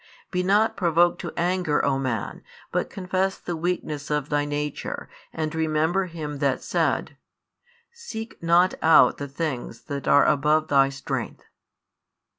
Be not provoked to anger, O man, but confess the weakness of thy nature, and remember him that said: Seek not out the things that are above thy strength.